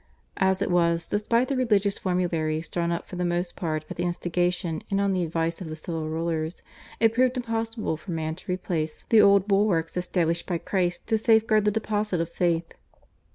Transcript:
As it was, despite the religious formularies, drawn up for the most part at the instigation and on the advice of the civil rulers, it proved impossible for man to replace the old bulwarks established by Christ to safeguard the deposit of faith.